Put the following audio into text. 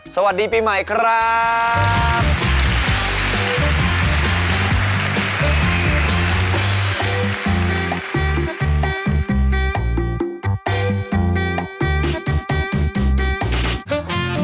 สวัสดีปีใหม่ครับ